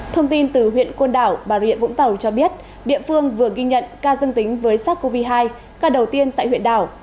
thông tin từ huyện côn đảo bà rịa vũng tàu cho biết địa phương vừa ghi nhận ca dương tính với sars cov hai ca đầu tiên tại huyện đảo